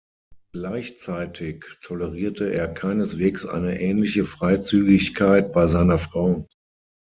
Gleichzeitig tolerierte er keineswegs eine ähnliche Freizügigkeit bei seiner Frau.